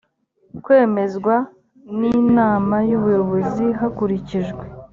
kwemezwa n inama y ubuyobozi hakurikijwe